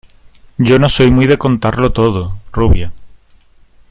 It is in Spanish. yo no soy muy de contarlo todo, rubia.